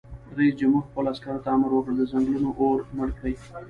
رئیس جمهور خپلو عسکرو ته امر وکړ؛ د ځنګلونو اور مړ کړئ!